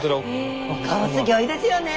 お顔すギョいですよね。